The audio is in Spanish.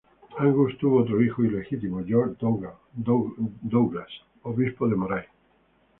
Angus tuvo otro hijo ilegítimo, George Douglas, obispo de Moray.